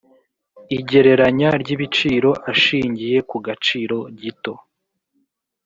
igereranya ry ibiciro ashingiye ku gaciro gito